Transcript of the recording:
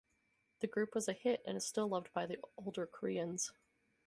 The group was a hit and is still loved by the older Koreans.